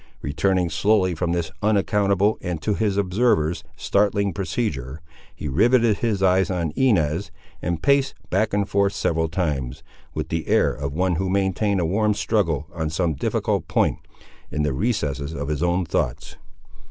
Returning slowly from this unaccountable, and to his observers, startling procedure, he riveted his eyes on Inez, and paced back and forth several times, with the air of one who maintained a warm struggle on some difficult point, in the recesses of his own thoughts.